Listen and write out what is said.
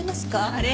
あれ？